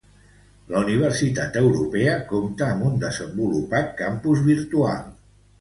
La Universitat Europea compta amb un desenvolupat Campus Virtual.